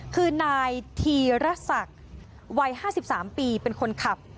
คือนายธีรศักดิ์วัย๕๓ปีเป็นคนขับ